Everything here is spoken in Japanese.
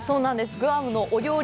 グアムの料理？